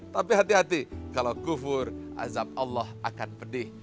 tapi hati hati kalau kufur azab allah akan pedih